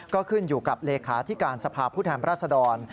ก็ขึ้นอยู่กับเลขาธิการสภาพผู้แทนรัศดร